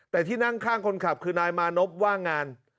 แต่ที่นั่งข้างคนขับคือนายมานพว่างงาน